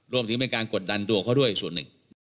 รวมถึงเป็นการกดดันดวงเขาด้วยส่วนหนึ่ง